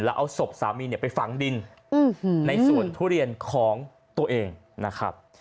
แล้วเอาศพสามีไปฝังดินในสวนทุเรียนของตัวเองนะครับ